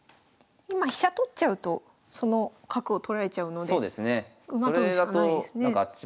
今飛車取っちゃうとその角を取られちゃうので馬取るしかないですね。